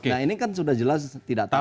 nah ini kan sudah jelas tidak tahu